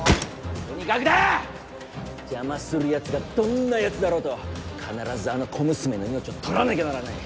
とにかくだ！邪魔する奴がどんな奴であろうと必ずあの小娘の命を取らなきゃならない！